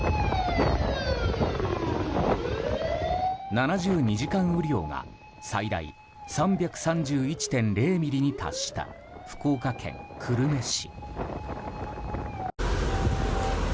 ７２時間雨量が最大３３１．０ミリに達した福岡県久留米市。